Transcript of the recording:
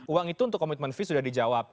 uang itu untuk komitmen fee sudah dijawab